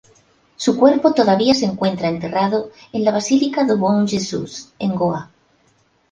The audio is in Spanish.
Su cuerpo todavía se encuentra enterrado en la "Basílica do Bom Jesus" en Goa.